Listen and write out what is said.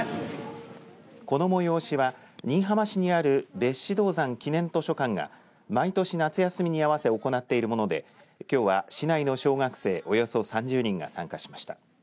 この催しは新居浜市にある別子銅山記念図書館が毎年夏休みに合わせ行っているものできょうは市内の小学生およそ３０人が参加しました。